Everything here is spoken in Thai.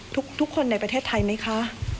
ทุกคนในประเทศไทยไหมคะ